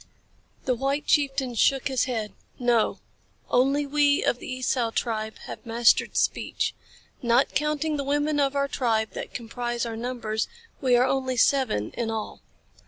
The white chieftain shook his head. "No. Only we of the Esau tribe have mastered speech. Not counting the women of our tribe that comprise our numbers we are only seven in all."